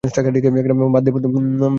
বাদ দে, বন্ধু।